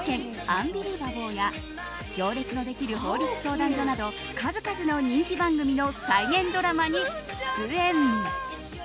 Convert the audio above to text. アンビリバボー」や「行列のできる法律相談所」など数々の人気番組の再現ドラマに出演。